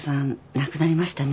亡くなりましたね。